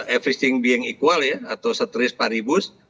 everyshing being equal ya atau setris paribus